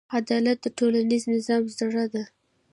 عدالت د ټولنیز نظم زړه دی.